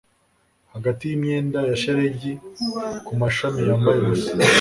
Hagati yimyenda ya shelegi kumashami yambaye ubusa